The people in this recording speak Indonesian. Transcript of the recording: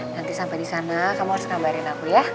nanti sampai di sana kamu harus gambarin aku ya